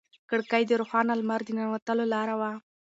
کړکۍ د روښانه لمر د ننوتلو لاره وه.